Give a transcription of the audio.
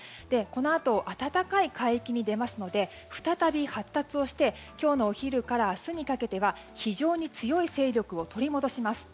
このあと暖かい海域に出ますので再び発達をして今日のお昼から明日にかけては非常に強い勢力を取り戻します。